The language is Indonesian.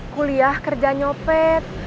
kuliah kerja nyopet